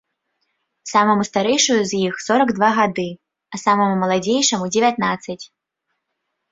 Самаму старэйшаму з іх сорак два гады, а самаму маладзейшаму дзевятнаццаць.